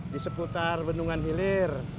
di seputar bendungan hilir